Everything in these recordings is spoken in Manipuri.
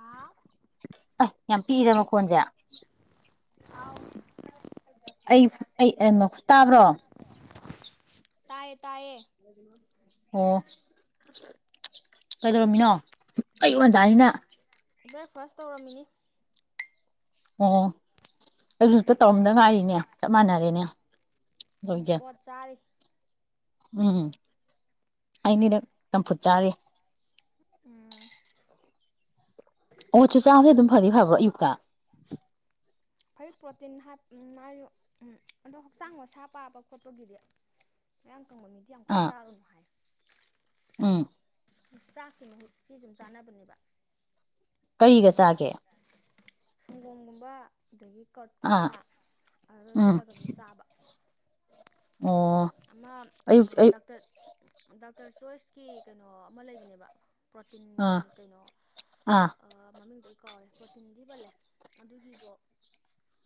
ꯑꯥ ꯑ ꯌꯥꯝ ꯄꯤꯗꯃꯀꯣꯟꯁꯦ ꯑꯥꯎ ꯑꯩ ꯑꯩꯩꯅꯣ ꯇꯌꯦ ꯇꯌꯦ ꯑꯣ ꯀꯩꯗꯧꯔꯝꯃꯤꯅꯣ ꯑꯩꯌꯨꯛ ꯉꯟꯇꯥꯅꯤꯅ ꯕ꯭ꯔꯦꯛꯐꯥꯁ ꯇꯧꯔꯝꯃꯤꯅꯤ ꯑꯣ ꯑꯩꯁꯨꯛꯇ ꯇꯧꯔꯝꯗ ꯉꯥꯏꯔꯤꯅꯦ ꯆꯞ ꯃꯥꯟꯅꯔꯦꯅꯦ ꯎꯝ ꯇꯧꯔꯤꯁꯦ ꯑꯣꯠ ꯆꯥꯔꯤ ꯎꯝ ꯑꯩꯅꯤꯗ ꯌꯥꯝꯝꯐꯨꯠ ꯆꯥꯔꯤ ꯎꯝ ꯑꯣ ꯆꯥꯛ ꯆꯥꯛꯗꯤ ꯑꯗꯨꯝ ꯐꯅꯤ ꯐꯕ꯭ꯔꯣ ꯑꯌꯨꯛꯇ ꯍꯣꯏ ꯄ꯭ꯔꯣꯇꯤꯟ ꯍꯥꯏꯌ ꯎꯝ ꯑꯗꯣ ꯍꯛꯆꯥꯡ ꯃꯁꯥ ꯄꯥꯕ ꯈꯣꯠꯄꯒꯤꯗꯤ ꯀꯪꯕ ꯃꯤꯗꯤ ꯌꯥꯝ ꯀꯟꯅ ꯑꯥ ꯆꯥꯔꯨꯅꯨ ꯍꯥꯏ ꯎꯝ ꯆꯥꯛꯈꯤꯅ ꯁꯤ ꯁꯨꯝ ꯆꯥꯅꯕꯅꯦꯕ ꯀꯔꯤꯒ ꯆꯥꯒꯦ ꯁꯨꯒꯝꯒꯨꯝꯕ ꯑꯗꯒꯤ ꯀꯔꯠꯀꯨꯝꯕ ꯑꯥ ꯑꯗꯨ ꯎꯝ ꯊꯤꯠꯂꯒ ꯑꯗꯨꯝ ꯆꯥꯕ ꯑꯣ ꯑꯃ ꯑꯌꯨꯛ ꯑꯌꯨꯛ ꯗꯥꯛꯇꯔꯔ ꯗꯔ ꯆꯣꯏꯁꯀꯤ ꯀꯩꯅꯣ ꯑꯃ ꯂꯩꯕꯅꯦꯕ ꯄ꯭ꯔꯣꯇꯤꯟ ꯑꯥ ꯀꯩꯅꯣ ꯑꯥ ꯃꯃꯤꯡꯗ ꯀꯧꯔꯦ ꯄ꯭ꯔꯣꯇꯤꯟꯗꯤꯤ ꯄꯜꯂꯦ ꯑꯗꯨꯒꯤꯗꯣ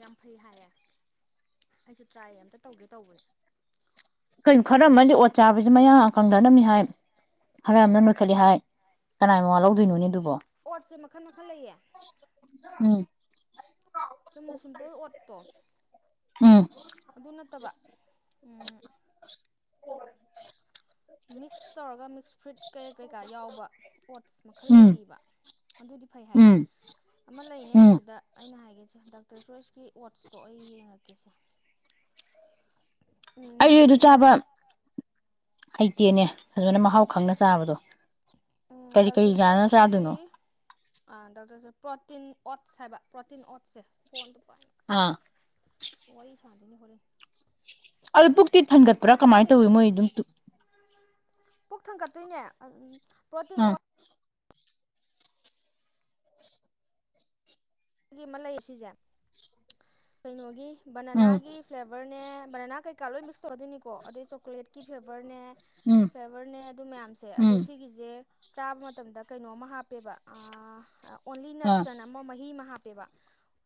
ꯌꯥꯝ ꯐꯩ ꯍꯥꯏꯌꯦ ꯑꯩꯁꯨ ꯇ꯭ꯔꯥꯏ ꯑꯃꯝꯇ ꯇꯧꯒꯦ ꯇꯧꯕꯅꯦ ꯀꯩ ꯈꯔ ꯑꯃꯗꯤꯗꯤ ꯑꯣꯠ ꯆꯥꯕꯁꯤ ꯃꯌꯥ ꯀꯪꯊꯅꯕꯝꯃꯤ ꯍꯥꯏ ꯈꯔ ꯑꯃꯅ ꯂꯣꯏꯈꯠꯂꯤ ꯍꯥꯏ ꯀꯅꯥꯏ ꯃꯉꯥ ꯂꯧꯗꯣꯏꯅꯣꯅꯦ ꯑꯗꯨꯕꯣ ꯄꯠꯁꯦ ꯃꯈꯜ ꯃꯈꯜ ꯂꯩꯌꯦ ꯎꯝ ꯆꯨꯝꯅ ꯁꯨꯝꯕ ꯎꯝ ꯐꯠꯇꯕ ꯃꯤꯛꯁ ꯇꯧꯔꯒ ꯃꯤꯛꯁ ꯐ꯭ꯔꯨꯏꯠ ꯀꯩ ꯀꯩꯀꯥ ꯌꯥꯎꯕ ꯏꯁꯄꯣꯠꯁ ꯃꯈꯜ ꯎꯝ ꯂꯩꯔꯤꯕ ꯑꯗꯨꯗꯤ ꯐꯩ ꯍꯥꯏꯕ ꯎꯝ ꯑꯃ ꯂꯩꯅꯦ ꯎꯝ ꯁꯤꯗ ꯑꯩꯅ ꯍꯥꯏꯒꯦ ꯗꯥꯛꯇꯔ ꯆꯣꯏꯁꯀꯤ ꯋꯥꯠꯁꯇꯣ ꯑꯩ ꯌꯦꯡꯉꯛꯀꯦꯁꯦ ꯑꯩ ꯑꯗꯨ ꯆꯥꯕ ꯍꯩꯇꯦꯅꯦ ꯑꯗꯨꯃꯥꯏꯅ ꯃꯍꯥꯎ ꯈꯪꯅ ꯆꯥꯕꯗꯣ ꯀꯔꯤ ꯀꯔꯤ ꯥꯟꯅ ꯆꯥꯗꯣꯏꯅꯣ ꯗꯣꯛꯇꯔꯁꯦ ꯄ꯭ꯔꯣꯇꯤꯟ ꯑꯣꯠꯁ ꯍꯥꯏꯕ ꯄ꯭ꯔꯣꯇꯤꯟ ꯑꯣꯠꯁꯦ ꯐꯣꯟꯗ ꯑꯥ ꯋꯥ ꯋꯥꯔꯤ ꯁꯥꯟꯗꯅꯤ ꯍꯔ ꯑꯗꯨ ꯄꯨ ꯤ ꯊꯟꯒꯠꯄ꯭ꯔꯥ ꯀꯃꯥꯏꯅ ꯇꯧꯋꯤ ꯃꯣꯏ ꯑꯗꯨꯝ ꯄꯨꯛ ꯊꯥꯡꯒꯠꯇꯣꯏꯅꯦ ꯎꯝ ꯄ꯭ꯔꯣꯇꯤꯟ ꯑꯥ ꯑꯣꯏꯜ ꯒꯤ ꯑꯃ ꯂꯩ ꯁꯤꯁꯦ ꯀꯩꯅꯣꯒꯤ ꯎꯝ ꯕꯅꯅꯥꯒꯤ ꯐ꯭ꯂꯦꯕꯔ ꯅꯦ ꯕꯅꯅꯥ ꯀꯩꯀꯥ ꯂꯣꯏ ꯃꯤꯛꯁ ꯇꯧꯒꯗꯣꯏꯅꯤꯀꯣ ꯑꯗꯩ ꯆꯣꯀ꯭ꯂꯦꯠꯀꯤ ꯐ꯭ꯂꯦꯕꯔꯅꯦ ꯎꯝ ꯐ꯭ꯂꯦꯕꯔꯅꯦ ꯑꯗꯨ ꯃꯌꯥꯝꯁꯦ ꯑꯗꯣ ꯎꯝ ꯁꯤꯒꯤꯁꯦ ꯆꯥꯕ ꯃꯇꯝꯗ ꯀꯩꯅꯣꯝꯃ ꯍꯥꯞꯄꯦꯕ ꯑꯣꯟꯂꯤ ꯑꯥ ꯅꯠꯁꯟ ꯑꯃ ꯃꯍꯤ ꯃꯍꯥ ꯄꯕ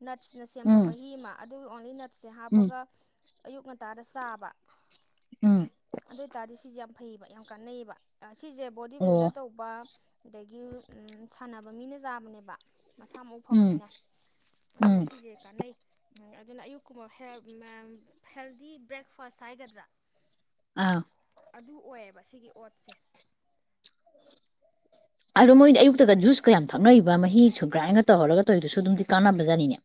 ꯅꯠꯁꯅ ꯁꯦꯝꯕ ꯎꯝ ꯃꯍꯤ ꯑꯃ ꯑꯗꯨꯒ ꯑꯣꯡꯂꯤ ꯅꯠꯁꯁꯦ ꯎꯝ ꯍꯥꯞꯄꯒ ꯑꯌꯨꯛ ꯉꯟꯇꯥꯗ ꯆꯥꯕ ꯎꯝ ꯑꯗꯨ ꯑꯣꯏꯇꯥꯔꯗꯤ ꯁꯤꯁꯦ ꯌꯥꯝ ꯐꯩꯌꯦꯕ ꯌꯥꯝ ꯀꯥꯟꯅꯩꯕ ꯁꯤꯁꯦ ꯕꯣꯗꯤ ꯑꯣ ꯕꯤꯜꯗꯔ ꯇꯧꯕ ꯑꯗꯒꯤ ꯁꯥꯟꯅꯕ ꯃꯤꯅ ꯆꯥꯕꯅꯦꯕ ꯃꯁꯥ ꯃꯎ ꯎꯝ ꯐꯕꯅꯤꯅ ꯎꯝ ꯑꯗꯨꯅ ꯁꯤꯁꯦ ꯀꯥꯟꯅꯩ ꯝ ꯑꯗꯨꯅ ꯑꯌꯨꯛꯀꯨꯝꯕ ꯍꯦꯜꯗꯤ ꯕ꯭ꯔꯦꯛꯐꯥꯁ ꯍꯥꯏꯒꯗ꯭ꯔꯥ ꯑꯥ ꯑꯗꯨ ꯑꯣꯏꯌꯦꯕ ꯁꯤꯒꯤ ꯑꯣꯠꯁꯦ ꯑꯗꯣ ꯃꯣꯏꯗꯤ ꯑꯌꯨꯛꯇꯒ ꯖꯨꯁꯀ ꯌꯥꯝ ꯊꯛꯅꯔꯤꯕ ꯃꯍꯤꯁꯨ ꯒ꯭ꯔꯥꯏꯟꯒ ꯇꯧꯍꯧꯔꯒ ꯇꯧꯔꯤꯗꯨꯁꯨ ꯑꯗꯨꯝꯗꯤ ꯀꯥꯟꯅꯕ ꯖꯠꯅꯤꯅꯦ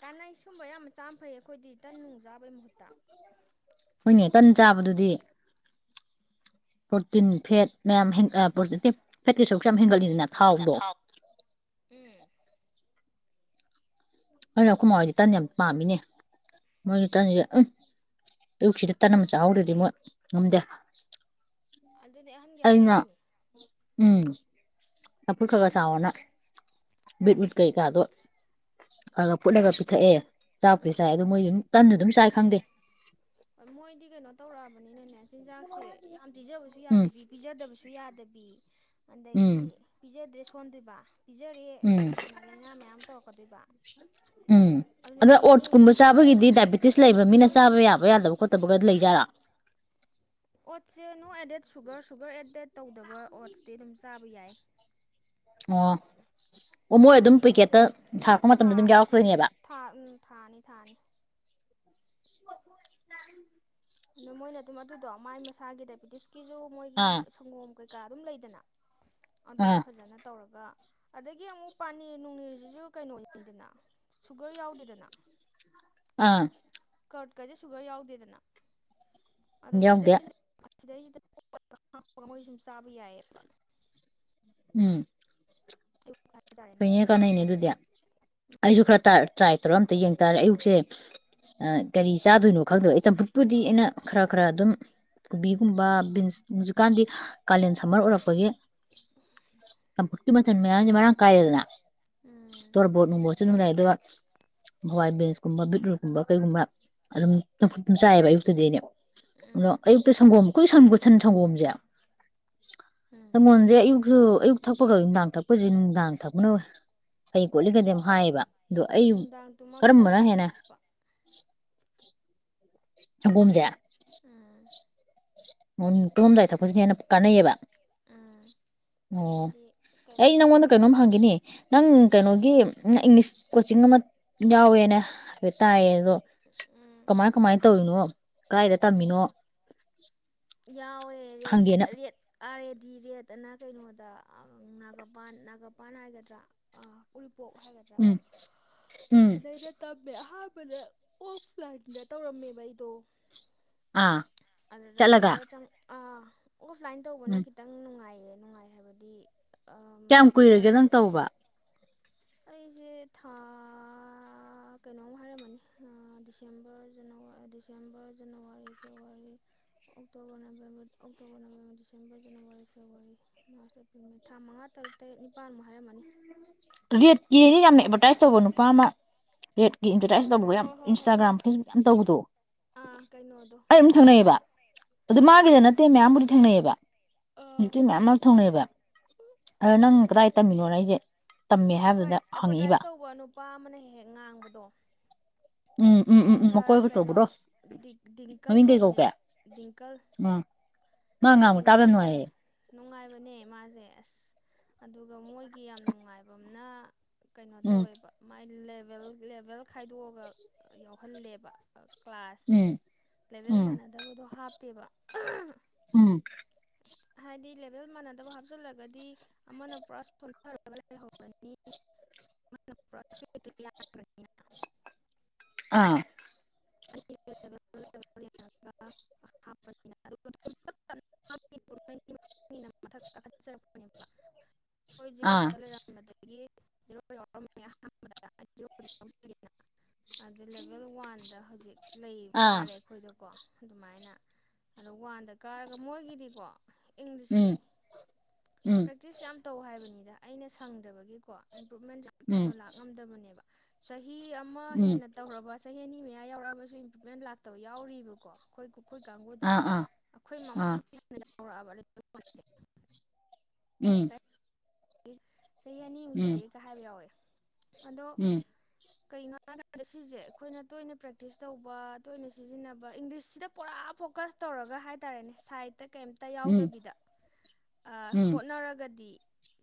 ꯀꯥꯅꯩ ꯁꯨꯝꯕ ꯌꯥꯝ ꯆꯥꯝ ꯐꯩ ꯑꯩꯈꯣꯏꯗꯤ ꯇꯟ ꯅꯨꯡ ꯆꯥꯕꯩ ꯃꯍꯨꯠꯇ ꯃꯣꯏꯅꯦ ꯀꯟꯅ ꯆꯥꯕꯗꯨꯗꯤ ꯄ꯭ꯔꯣꯔꯇꯤꯟ ꯐꯦꯠ ꯃꯌꯥꯝ ꯐꯦꯠꯇꯤ ꯁꯔꯛꯁꯨ ꯌꯥꯝ ꯍꯦꯟꯒꯠꯂꯤꯅꯤ ꯅ ꯊꯥꯎꯗꯣ ꯎꯝ ꯑꯩꯅ ꯑꯩꯈꯣꯏ ꯃ ꯍꯣꯏꯗꯤ ꯇꯟ ꯌꯥꯝ ꯄꯥꯝꯃꯤꯅꯦ ꯃꯣꯏꯒꯤ ꯇꯟꯁꯦ ꯎꯝ ꯑꯌꯨꯛꯁꯤꯗ ꯇꯟ ꯑꯃ ꯆꯥꯍꯧꯗ꯭ꯔꯗꯤ ꯃꯣꯏ ꯉꯝꯗꯦ ꯑꯗꯨꯅꯦ ꯑꯍꯟꯒꯤ ꯑꯩꯅ ꯍꯧꯅꯕꯤꯅꯤ ꯎꯝ ꯆꯐꯨꯠ ꯈꯔ ꯈꯔ ꯆꯥꯎꯔꯅ ꯕꯤꯠꯋꯨꯠ ꯀꯩꯀꯥꯗꯣ ꯈꯔ ꯈ ꯐꯨꯠꯂꯒ ꯄꯤꯊꯛꯑꯦ ꯆꯥꯛꯦꯁꯥꯏ ꯎꯝ ꯑꯗꯨꯗꯣ ꯃꯣꯏꯁꯨ ꯇ ꯑꯗꯨꯝ ꯈꯪꯗꯦ ꯃꯣꯏꯗꯤ ꯀ ꯅ ꯇꯧꯔꯛꯑꯕꯅꯤꯅꯅꯦ ꯆꯤꯟꯖꯥꯛꯁꯦ ꯌꯥꯝ ꯄꯤꯖꯕꯁꯨ ꯎꯝ ꯌꯥꯗꯗꯤ ꯄꯤꯖꯗꯕꯁꯨ ꯁꯨ ꯌꯥꯗꯕꯤ ꯎꯝ ꯑꯗꯒꯤ ꯄꯤꯖꯥ ꯑꯦꯗ꯭ꯔꯦꯁ ꯐꯣꯟꯗ꯭ꯔꯤꯕ ꯄꯤꯖꯔꯦ ꯎꯝ ꯑꯗꯨꯅ ꯂꯥꯏꯅꯥ ꯃꯌꯥꯝ ꯇꯧꯔꯛꯀꯗꯣꯏꯕ ꯎꯝ ꯑꯗꯨꯅ ꯑꯗ ꯌꯦꯡ ꯑꯣꯠꯁꯀꯨꯝꯕ ꯌꯦꯡꯗꯅ ꯆꯥꯕꯒꯤꯗꯤ ꯗꯥꯏꯕꯦꯇꯤꯁ ꯂꯩꯕ ꯃꯤꯅ ꯆꯥꯕ ꯌꯥꯕ ꯌꯥꯗꯕ ꯈꯣꯠꯇꯕꯒ ꯂꯩꯖꯥꯔꯥ ꯑꯣꯠꯁꯦ no added sugar sugar added ꯇꯧꯗꯕ ꯑꯣꯠꯁꯇꯤ ꯑꯗꯨꯝ ꯆꯥꯕ ꯌꯥꯏ ꯑꯣ ꯑꯣ ꯃꯣꯏ ꯑꯗꯨꯝ ꯄꯤꯀꯦꯠꯇ ꯊꯥꯕ ꯎꯝ ꯊꯥ ꯎꯝ ꯊꯥꯅꯤ ꯊꯥꯅꯤ [unintelligible] ꯑꯗꯣ ꯃꯣꯏꯅ ꯑꯗꯨꯝ ꯑꯗꯨꯗꯣ ꯃꯥꯏ ꯃꯁꯥꯒꯤ ꯗꯥꯏꯕꯦꯇꯤꯁꯀꯤ ꯀꯤꯁꯨꯨ ꯃꯣꯏꯒꯤ ꯑꯥ ꯁꯪꯒꯣꯝ ꯀꯩ ꯀ ꯀꯥ ꯑꯗꯨꯝ ꯂꯩꯗꯅ ꯑꯗꯨꯒ ꯑꯥ ꯐꯖꯅ ꯇꯧꯔꯒ ꯑꯗꯒꯤ ꯑꯃꯨꯛ ꯄꯥꯅꯤꯔ ꯅꯨꯡꯅꯦꯔꯁꯤꯁꯨ ꯀꯩꯅꯣ ꯌꯦꯡꯗꯅ ꯁꯨꯒꯔ ꯌꯥꯎꯗꯦꯗꯅ ꯑꯥ ꯀꯔꯠꯀꯁꯦ ꯁꯨꯒꯔ ꯌꯥꯎꯗꯦꯗꯅ ꯑꯗꯣ ꯁꯤꯗ ꯌꯥꯎꯗꯦ ꯁꯤꯗꯩꯁꯤꯗꯄ ꯍꯥꯞꯄꯒ ꯃꯣꯏꯁꯨ ꯁꯨꯝ ꯆꯥꯕ ꯌꯥꯏꯑꯕ ꯎꯝ ꯑꯌꯨꯛ ꯍꯥꯏꯇꯥꯔꯦꯅꯦ ꯍꯣꯏꯅꯦ ꯀꯥꯟꯅꯩꯅꯦ ꯑꯗꯨꯗꯤ ꯑꯩꯁꯨ ꯈꯔ ꯇ꯭ꯔꯥꯏ ꯇꯧꯔ ꯑꯝꯇ ꯌꯦꯡ ꯇꯥꯔꯦ ꯑꯌꯨꯛꯁꯦ ꯀꯔꯤ ꯆꯥꯗꯣꯏꯅꯣ ꯈꯪꯗꯣꯏꯕ ꯑꯩ ꯆꯝꯐꯨꯠꯄꯨꯗꯤ ꯑꯩꯅ ꯈꯔ ꯈꯔ ꯑꯗꯨꯝ ꯀꯣꯕꯤꯒꯨꯝꯕ ꯕꯤꯟꯁ ꯍꯧꯖꯤꯛꯀꯥꯟꯗꯤ ꯀꯥꯂꯦꯟ ꯁꯝꯃꯔ ꯑꯣꯏꯔꯛꯄꯒꯤ ꯆꯝꯐꯨꯠꯀꯤ ꯃꯆꯜ ꯃꯌꯥꯝꯁꯦ ꯃꯔꯥꯡ ꯀꯥꯏꯅ ꯀꯌꯦꯗꯅ ꯎꯝ ꯇꯔ ꯣꯠꯅꯅꯨꯡꯃꯣ ꯂ ꯑꯗꯨꯒ ꯍꯋꯥꯏ ꯕꯦꯟꯁ ꯀꯨꯝꯕ ꯕꯤꯠꯔꯨ ꯀꯨꯝꯕ ꯀꯩꯒꯨꯝꯕ ꯑꯗꯨꯝ ꯁ ꯆꯥꯏꯑꯕ ꯑꯌꯨꯛꯇꯗꯗꯤꯅꯦ ꯎꯝ ꯑꯗꯣ ꯑꯌꯨꯛꯇ ꯁꯪꯒꯣꯝ ꯀꯨꯣꯏ ꯁꯪꯕꯁꯟ ꯁꯪꯒꯣꯝꯖꯤꯦ ꯎꯝ ꯃꯖꯦ ꯊꯛꯄꯒ ꯅꯨꯡꯗꯥꯡ ꯊꯛꯄꯁꯦ ꯅꯨꯡꯗꯥꯡ ꯊꯛꯅ ꯐꯩ ꯀꯣꯠꯂꯤꯒꯩꯗꯤ ꯌꯥꯝ ꯍꯥꯏꯌꯦꯕ ꯑꯗꯣ ꯑꯩ ꯅꯨꯡꯗꯥꯡ ꯀꯔꯝꯕꯅ ꯇꯨꯝꯃꯝꯗꯥꯏꯗ ꯍꯦꯟꯅ ꯊꯛꯄ [unintelligible] ꯒꯣꯝꯖ ꯎꯝ [unintelligible] ꯇꯨꯝꯑꯝꯗꯥꯏ ꯊꯛꯄꯁꯤꯅ ꯍꯦꯟꯅ ꯀꯥꯟꯅꯩꯌꯦꯕ ꯎꯝ ꯑꯣ ꯍꯥꯏꯗꯤ ꯀꯩꯅꯣ ꯑꯩ ꯅꯪꯉꯣꯟꯗ ꯇꯧꯋꯦꯕ ꯀꯩꯅꯣꯝ ꯍꯪꯒꯅꯤ ꯅꯪ ꯎꯝ ꯀꯩꯅꯣꯒꯤ ꯅꯪ ꯏꯪꯂꯤꯁ ꯀꯣꯆꯤꯡ ꯑꯃ ꯌꯥꯎꯋꯦꯅ ꯍꯥꯏ ꯇꯥꯏꯌꯦ ꯑꯗꯣ ꯎꯝ ꯀꯃꯥꯏ ꯀꯃꯥꯏꯅ ꯇꯧꯔꯤꯅꯣ ꯀꯥꯏꯗ ꯇꯝꯃꯤꯅꯣ ꯌꯥꯎꯋꯦ ꯔꯦꯠ ꯍꯪꯒꯦꯅ rate R A D rate ꯇꯅ ꯀꯩꯅꯣꯗ ꯒꯄꯥꯟ ꯅꯥꯒꯥꯄꯥꯟ ꯍꯥꯏꯒꯗ꯭ꯔꯥ ꯣꯛ ꯍꯥꯏꯒꯗ꯭ꯔꯥ ꯎꯝ ꯎꯝ ꯑꯗ ꯑꯩꯅ ꯇꯝꯃꯦ ꯑꯍꯥꯟꯕ ꯗ ꯑꯣꯐ ꯂꯥꯏꯟꯗ ꯇꯧꯔꯝꯃꯦꯕ ꯑꯩꯗꯣ ꯑꯥ ꯑꯗꯨꯗ ꯆꯂꯒ ꯋꯤꯟꯇꯔ ꯆꯪ ꯑꯥ ꯑꯣꯐꯂꯥꯏꯟ ꯇꯧꯕꯅ ꯈꯤꯇꯪ ꯅꯨꯡꯉꯥꯏ ꯍꯥꯏꯕꯗꯤ ꯀꯌꯥꯝ ꯀꯨꯏꯔꯒꯦ ꯎꯅꯔꯛ ꯅꯪ ꯇꯧꯕ ꯑꯩꯁꯦ ꯊꯥ ꯀꯩꯅꯣꯃ ꯍꯥꯏꯔꯝꯃꯅꯤ ꯗꯤꯁꯦꯝꯕꯔꯖꯅꯋꯥ December January February October November October November December January February March April ꯊꯥ ꯃꯉꯥ ꯇꯔꯨꯛ ꯇꯔꯦꯠ ꯅꯤꯄꯥꯜꯃꯨꯛ ꯍꯥꯏꯔꯝꯃꯅꯤ ꯔꯠ ꯌꯥꯝ ꯑꯦꯗꯚꯔꯇꯥꯏꯖ ꯇꯧꯕ ꯅꯨꯨꯄꯥ ꯑꯃ ꯔꯦꯠꯀꯤ ꯑꯦꯗꯚꯔꯇꯥꯏꯁ ꯍꯣꯏ ꯍꯣꯏ ꯇꯧꯕ ꯌꯥꯝ ꯍꯣꯏ ꯍꯣꯏ ꯍꯣꯏ ꯍꯣꯏ ꯏꯟꯁꯇꯥꯒ꯭ꯔꯥꯝ ꯐꯦꯁꯕꯨꯛ ꯌꯥꯝ ꯇꯧꯕꯗꯣ ꯑꯥ ꯀꯩꯅꯣꯗꯣ ꯑꯩ ꯑꯗꯨꯝ ꯀꯩꯕ ꯊꯪꯅꯩꯑꯕ ꯑꯗꯨ ꯃꯥꯒꯤꯗ ꯅꯠꯇꯦ ꯃꯌꯥꯝꯕꯨꯗꯤ ꯊꯦꯡꯅꯩꯑꯌꯦꯕ ꯇꯤ ꯃꯌꯥꯝ ꯑꯃ ꯊꯣꯡꯅꯩꯑꯕ ꯑꯗꯣ ꯅꯪ ꯀꯗꯥꯏ ꯇꯝꯃꯤꯅꯣꯅ ꯑꯩꯁꯦ ꯇꯝꯃꯦ ꯍꯣꯏ ꯍꯥꯏꯕꯗꯨꯗ ꯍꯪꯉꯛꯏꯕ ꯑꯦꯗꯚꯔꯇꯥꯏꯁ ꯇꯧꯕ ꯅꯨꯄꯥ ꯑꯃꯅ ꯍꯦꯛ ꯍꯦꯛ ꯉꯥꯡꯕꯗꯣ ꯎꯝ ꯎꯝ ꯎꯝ ꯎꯝ ꯁꯥꯔ ꯃꯀꯣꯏꯕ ꯀꯩꯅꯣ ꯇꯧꯕꯗꯣ ꯗꯤꯡꯀꯜ ꯃꯃꯤꯡ ꯀꯩ ꯀꯧꯒꯦ ꯀꯧꯕꯅꯦꯕ ꯗꯤꯡꯀꯜ ꯎꯝ ꯃꯥ ꯉ ꯇꯥꯕ ꯁꯥꯔꯗꯤꯡꯀꯜ ꯅꯨꯅꯨꯡ ꯋꯥꯑꯦ ꯀꯧꯕꯅꯦ ꯅꯨꯡꯉꯥꯏꯕꯅꯦ ꯃꯥꯁꯦ ꯑꯁ ꯑꯗꯨꯒ ꯃꯣꯏꯒꯤ ꯌꯥꯝ ꯅꯨꯡꯉꯥꯏꯕ ꯑꯃꯅ ꯀꯩꯅꯣ ꯎꯝ ꯇꯧꯋꯦꯕ ꯃꯥꯏ ꯕꯕ ꯈꯥꯏꯗꯣꯛꯑꯒ ꯌꯥꯎ ꯊꯣꯛꯍꯜꯂꯦꯕ ꯀ꯭ꯂꯥꯁꯁꯦ ꯎꯝ ꯂꯦꯚꯦꯜ ꯎꯝ ꯃꯥꯟꯅꯗꯕꯗꯣ ꯍꯥꯞꯇꯦꯕ ꯎꯝ ꯍꯥꯏꯗꯤ ꯂꯦꯚꯦꯜ ꯃꯥꯟꯅꯗꯕ ꯍꯥꯞꯆꯤꯜꯂꯒꯗꯤ ꯑꯃꯅ ꯄ꯭ꯔꯥꯏꯁ ꯁꯣꯟꯊꯔꯒ ꯂꯩꯍꯧꯔꯅꯤꯅꯤꯅ ꯑꯥ ꯉꯄꯊꯛ ꯀꯥꯠꯔꯛꯄꯅꯦꯕ ꯑꯩꯈꯣꯏ ꯑꯥ ꯖꯤꯔꯣꯠꯇ ꯂꯩꯔꯝꯕꯗꯒꯤ ꯔ ꯌꯥꯎꯔꯝ ꯑꯍꯥꯟꯕꯅ ꯑꯗꯨ ꯂꯦꯚꯦꯜ ꯋꯥꯟꯗ ꯍꯧꯖꯤꯛ ꯂꯩ ꯑꯥ ꯀꯥꯔꯦ ꯑꯩꯈꯣꯏꯗꯀꯣ ꯑꯗꯨꯃꯥꯏꯅ ꯑꯗꯣ ꯋꯥꯟꯗ ꯀꯥꯔꯒ ꯃꯣꯏꯒꯤꯗꯤꯀꯣ ꯏꯪꯂꯤꯁꯁꯦ ꯎꯝ ꯎꯝ ꯄ꯭ꯔꯦꯛꯇꯤꯁ ꯌꯥꯝ ꯇꯧ ꯍꯥꯏꯕꯅꯤꯗ ꯗ ꯑꯩꯅ ꯁꯪꯗꯕꯒꯤꯀꯣ ꯏꯝꯄ꯭ꯔꯨꯚꯃꯦꯟ ꯌꯥꯝꯅ ꯎꯝ ꯂꯥꯛꯑꯝꯗꯕꯅꯦꯕ ꯁ ꯆꯍꯤ ꯆꯍꯤ ꯑꯃ ꯎꯝ ꯍꯦꯟꯅ ꯇꯧꯔꯕ ꯆꯍꯤꯅꯤ ꯃꯌꯥꯝ ꯎꯔꯥ ꯁꯨ ꯏꯝꯄ꯭ꯔꯨꯚꯃꯦꯟ ꯂꯥꯛꯇꯕ ꯌꯥꯎꯔꯤꯕꯀꯣ ꯑꯩꯈꯣꯏ ꯑꯩꯈꯣꯏ ꯀꯥꯡꯕꯨꯗ ꯑꯥ ꯑꯥ ꯑꯩꯈꯣꯏ ꯑꯥ ꯃꯃꯥꯡ ꯧꯕ ꯎꯝ ꯑꯩ ꯆꯍꯤ ꯑꯅꯤꯃꯨꯛ ꯎꯝ ꯁꯨꯔꯛꯑꯦꯒ ꯍꯥꯏꯕ ꯌꯥꯎꯋꯦ ꯑꯗꯣ ꯎꯝ ꯀꯩꯅꯣ ꯍꯥꯏ ꯁꯤꯁꯦ ꯑꯩꯈꯣꯏꯅ ꯇꯣꯏꯅ ꯄ꯭ꯔꯦꯛꯇꯤꯁ ꯇꯧꯕ ꯇꯣꯏꯅ ꯁꯤꯖꯤꯟꯅꯕ ꯏꯪꯂꯤꯁꯁꯤꯗ ꯄꯨꯔꯥ ꯐꯣꯀꯁ ꯇꯧꯔꯒ ꯍꯥꯏꯇꯥꯔꯦꯅꯦ ꯁꯥꯏꯠ ꯑꯝꯇ ꯀꯩꯝꯇ ꯎꯝ ꯌꯥꯎꯗꯕꯤꯗ ꯍꯣꯠꯅꯔꯒꯗꯤ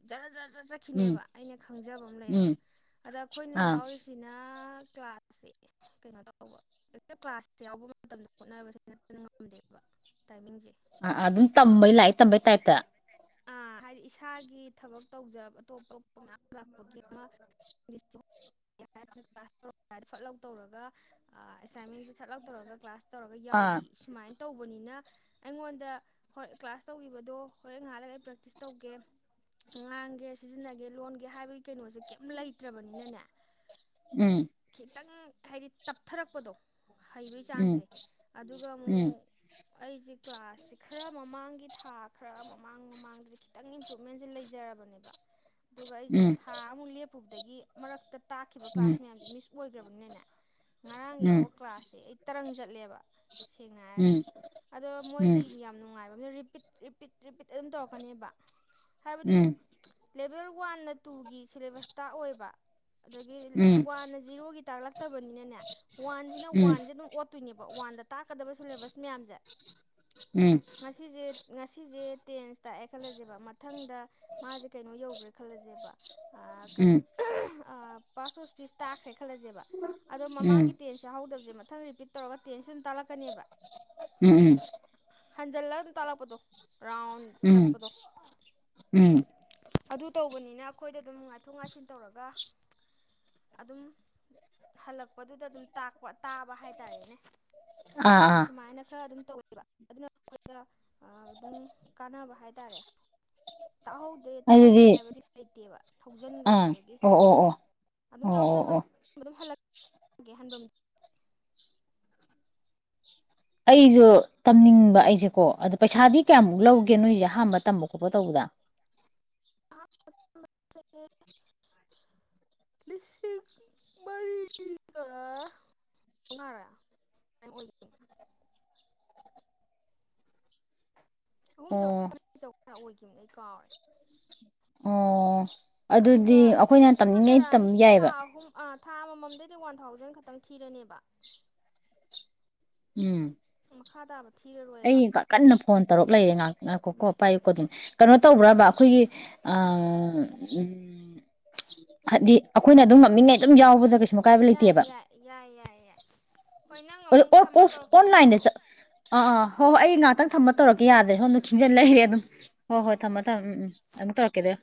ꯖꯅꯖ ꯆꯠ ꯎꯝ ꯎꯝ ꯆꯠꯈꯤꯅꯦꯕ ꯑꯩꯅ ꯈꯪꯖꯕ ꯑꯃ ꯂꯩꯌꯦꯕ ꯎꯝ ꯑꯗ ꯑꯩꯈꯣꯏꯅ ꯑꯥ ꯌꯥꯎꯔꯤꯁꯤꯅ ꯀ꯭ꯂꯥꯁꯁꯦ ꯀꯩꯅꯣ ꯇꯧꯕ ꯍꯦꯛꯇ ꯀ꯭ꯂꯥꯁ ꯌꯥꯎꯕ ꯃꯇꯝꯗ ꯍꯣꯠꯅꯕꯁꯦ ꯅꯠꯇꯅ ꯉꯝꯗꯦꯕ ꯇꯥꯏꯃꯤꯡꯁꯦ ꯑ ꯑꯗꯨꯝ ꯇꯝꯕꯩ ꯂꯥꯛꯑꯦ ꯇꯝꯕꯩ ꯇꯥꯏꯞꯇ ꯑ ꯍꯥꯏꯗꯤ ꯏꯁꯥꯒꯤ ꯊꯕꯛ ꯇꯧꯖꯕ ꯑꯇꯣꯞ ꯑꯇꯣꯞꯄ ꯃꯌꯥꯝ ꯂꯥꯛꯄꯒꯤ ꯑꯃ ꯀ꯭ꯂꯥꯁ ꯇꯧ ꯐꯠꯂꯛ ꯇꯧꯔꯒ ꯑꯦꯁꯥꯏꯟꯃꯦꯟꯁꯦ ꯁꯠꯂꯛ ꯇꯧꯔꯒ ꯀ꯭ꯂꯥꯁ ꯇꯧꯔꯒ ꯑꯥ ꯌꯥꯎꯕꯤ ꯁꯨꯃꯥꯏꯅ ꯇꯧꯕꯅꯤꯅ ꯑꯩꯉꯣꯟꯗ ꯍ ꯀ꯭ꯂꯥꯁ ꯇꯧꯈꯤꯕꯗꯣ ꯍꯣꯔꯦꯟ ꯉꯥꯜꯂꯒ ꯑꯩ ꯄ꯭ꯔꯦꯛꯇꯤꯁ ꯇꯧꯒꯦ ꯉꯥꯡꯒꯦ ꯁꯤꯖꯤꯟꯅꯒꯦ ꯂꯣꯟꯒꯦ ꯍꯥꯏꯕꯒꯤ ꯀꯩꯅꯣꯁꯦ ꯀꯩꯝ ꯂꯩꯇ꯭ꯔꯕꯅꯤꯅꯅꯦ ꯎꯝ ꯈꯤꯇꯪ ꯍꯥꯏꯗꯤ ꯇꯞꯊꯔꯛꯄꯗꯣ ꯍꯩꯕꯩ ꯎꯝ ꯆꯥꯡꯁꯦ ꯑꯗꯨꯒ ꯎꯝ ꯑꯃꯨꯛ ꯑꯩꯁꯦ ꯀ꯭ꯂꯥꯁꯁꯦ ꯈꯔ ꯃꯃꯥꯡꯒꯤ ꯊꯥ ꯈꯔ ꯃꯃꯥꯡ ꯃꯃꯥꯡꯗꯗꯤ ꯈꯤꯇꯪ ꯏꯝꯄ꯭ꯔꯨꯚꯃꯦꯟꯁꯦ ꯂꯩ ꯄꯤꯖꯔꯕꯅꯦꯕ ꯗꯨꯒꯥꯏꯁꯦ ꯎꯝ ꯊꯥ ꯃ ꯎꯐꯨꯗꯒꯤ ꯃꯔꯛꯇ ꯇꯥꯛꯈꯤꯕ ꯎꯝ ꯎꯝ ꯀ꯭ꯂꯥꯁ ꯃꯌꯥꯝꯁꯦ ꯃꯤꯁ ꯑꯣꯏꯈ꯭ꯔꯕ ꯄꯨꯅꯅ ꯉꯔꯥꯡ ꯎꯝ ꯌꯥꯎꯕ ꯀ꯭ꯂꯥꯁꯁꯦ ꯑꯩ ꯇꯔꯪ ꯆꯠꯦ ꯂꯦꯕ ꯁꯦꯡꯅ ꯎꯝ ꯍꯥꯏꯔꯒ ꯎꯝ ꯑꯗꯣ ꯎꯝ ꯃꯣꯏꯒꯤ ꯌꯥꯝ ꯅꯨꯡꯉꯥꯏꯕ ꯄꯤ ꯔꯤꯄꯤꯠ ꯑꯗꯨꯝ ꯇꯧꯔꯛꯀꯅꯦꯕ ꯍꯥꯏꯕꯗꯤ ꯎꯝ ꯂꯦꯚꯦꯜ ꯋꯥꯟꯅ ꯇꯨꯒꯤ ꯁꯤꯂꯦꯕꯁꯇ ꯑꯣꯏꯕ ꯑꯗꯒꯤ ꯎꯝ ꯋꯥꯟꯅ ꯖꯤꯔꯣꯒꯤ ꯇꯥꯛꯂꯛ ꯆꯠꯇꯕꯅꯤꯅꯅꯦ ꯋꯥꯟꯁꯤꯅ ꯎꯝ ꯋꯥꯟꯁꯦ ꯑꯗꯨꯝ ꯑꯣꯠꯇꯣꯏꯅꯦꯕ ꯋꯥꯟꯗ ꯇꯥꯛꯀꯗ ꯁꯤꯂꯦꯕ ꯃꯌꯥꯝꯁꯦ ꯎꯝ ꯉꯁꯤꯁꯦ ꯉꯁꯤꯁꯦ ꯇꯦꯟꯁꯇꯑꯦ ꯈꯜꯂꯁꯦꯕ ꯃꯊꯪꯗ ꯃꯥꯁꯦ ꯀꯩꯅꯣ ꯌꯧꯈ꯭ꯔꯦ ꯈꯜꯂꯁꯦꯕ ꯀꯔꯤ ꯄꯥꯁ ꯄꯤꯁꯇꯥ ꯈꯜꯂꯁꯦꯕ ꯑꯗꯣ ꯃꯃꯥꯡꯒꯤ ꯇꯦꯟꯁꯦ ꯍꯧꯗꯕꯁꯦ ꯃꯊꯪ ꯔꯤꯄꯤꯠ ꯇꯧꯔꯒ ꯇꯦꯟꯁꯟ ꯇꯥꯥꯛꯂꯛꯀꯅꯦꯕ ꯎꯝ ꯎꯝ ꯍꯪꯖꯤꯜꯂ ꯑꯗꯨ ꯇꯂꯥ ꯄꯇꯣ ꯎꯝ ꯎꯝ ꯑꯗꯨ ꯇꯧꯕꯅꯤꯅ ꯑꯩꯈꯣꯏꯗ ꯑꯗꯨꯝ ꯉꯥꯏꯊꯣꯛ ꯉꯥꯏꯁꯤꯟ ꯇꯧꯔꯒ ꯑꯗꯨꯝ ꯍꯜꯂꯛꯄꯗꯨꯗ ꯑꯗꯨꯝ ꯇꯥꯛꯄ ꯇꯥꯕ ꯍꯥꯏꯇꯥꯔꯦꯅꯦ ꯑꯥ ꯑꯥ ꯑꯁꯨꯃꯥꯏꯅ ꯈꯔ ꯑꯗꯨꯝ ꯇꯧꯋ ꯑꯗꯨꯅ ꯑꯩꯈꯣꯏꯗ ꯑꯗꯨꯝ ꯀꯥꯟꯅꯕ ꯍꯥꯏꯇꯥꯔꯦ ꯇꯥꯛꯍꯧꯗ꯭ꯔꯦ ꯇꯥꯛꯍꯧꯗ꯭ꯔꯦ ꯑꯗꯨꯗꯤ ꯍꯥꯏꯕꯗꯤ ꯂꯩꯇꯦꯕ ꯑꯥ ꯍꯧꯖꯤꯟꯈ꯭ꯔꯦꯕꯒꯤ ꯑꯣ ꯑꯣ ꯑꯣ ꯑꯗꯨꯝ ꯑꯣ ꯑꯣ ꯑꯣ ꯌꯥꯎꯁꯟꯕ ꯦ ꯍꯍꯥꯟꯕ ꯑꯩꯁꯨ ꯇꯝꯅꯤꯡꯕ ꯑꯩꯁꯦꯀꯣ ꯑꯗꯨꯗ ꯄꯩꯁꯥꯗꯤ ꯀꯌꯥꯃꯨꯛ ꯂꯧꯒꯦ ꯅꯣꯏꯁꯦ ꯑꯍꯥꯟꯕ ꯇꯝꯕ ꯈꯣꯠꯄ ꯇꯧꯕꯗ ꯑꯍ ꯂꯤꯁꯤꯡ ꯃꯔꯤꯒ ꯃꯉꯥꯔꯥꯃꯥꯏ ꯑꯣꯏꯒꯅꯤ ꯑꯍꯨꯝ ꯑꯣ ꯑꯣꯏꯈꯤꯕ ꯅ ꯑꯩ ꯀꯥꯎꯔꯦ ꯑꯣ ꯑꯗꯨꯗꯤ ꯑꯗꯨꯒ ꯑꯩꯈꯣꯏꯅ ꯁꯨꯝ ꯁꯨꯝ ꯇꯝꯅꯤꯡꯉꯩ ꯇꯝ ꯍꯟꯊꯔꯛꯑꯅꯤ ꯊꯥ ꯌꯥꯏꯑꯕ ꯑꯍꯨꯝ ꯊꯥ ꯑꯃꯃꯝꯗꯩꯗꯤ ꯋꯥꯟ ꯊꯥꯎꯖꯟ ꯈꯛꯇꯪ ꯊꯤꯔꯅꯦꯕ ꯎꯝ ꯃꯈꯥ ꯇꯥꯕ ꯊꯤꯔꯔꯣꯏꯕ ꯑꯩ ꯀꯟꯅ ꯐꯣꯟ ꯇꯧꯔꯛ ꯂꯩꯌꯦ ꯉꯥꯛꯇ ꯉꯥꯏꯈꯣꯀꯣ ꯄꯥꯏꯌꯨꯀꯣ ꯑꯗꯨꯝ ꯀꯩꯅꯣ ꯇꯧꯕ꯭ꯔꯕ ꯑꯩꯈꯣꯏꯒꯤ ꯎ ꯍꯥꯏꯗꯤ ꯑꯩꯈꯣꯏꯅ ꯑꯗꯨꯝ ꯃꯃꯤꯈꯩ ꯑꯗꯨꯝ ꯌꯥꯎꯕꯗ ꯑꯀꯥꯏꯕ ꯌꯥꯏ ꯌꯥꯏ ꯌꯥꯏ ꯌꯥꯏ ꯌꯥꯏ ꯍꯣꯏ ꯅꯪ ꯑꯃꯨꯛ ꯊꯝꯃ ꯇꯧꯔꯛꯀꯦꯁꯨ ꯑꯣꯟꯂꯥꯏꯟ ꯑ ꯇꯧꯔꯛꯑꯣ ꯑ ꯍ ꯍꯣꯏ ꯑꯩ ꯉꯥꯛꯇꯪ ꯊꯝꯕ ꯇꯧꯔꯛꯦ ꯌꯥꯗ꯭ꯔꯦ ꯁꯣꯝꯗ ꯊꯤꯟꯖꯟ ꯂꯩꯔꯦ ꯑꯗꯨꯝ ꯍꯣꯏ ꯍꯣꯏ ꯎꯝ ꯊꯝꯃꯣ ꯊꯝꯃ ꯎꯝ ꯑꯃꯨꯛ ꯇꯧꯔꯛꯀꯦꯗ